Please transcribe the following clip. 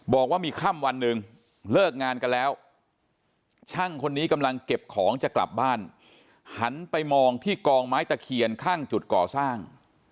บอกว่ามีค่ำวันหนึ่งเลิกงานกันแล้วช่างคนนี้กำลังเก็บของจะกลับบ้านหันไปมองที่กองไม้ตะเคียนข้างจุดก่อสร้าง